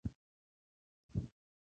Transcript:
انصاف او اعتدال په هر کار کې اړین دی.